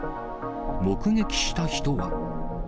目撃した人は。